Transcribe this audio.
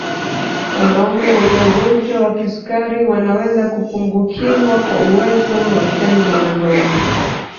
Wanaume wenye ugonjwa wa kisukari wanaweza kupungukiwa kwa uwezo wa tendo la ndoa